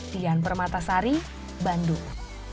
dian permatasari bandung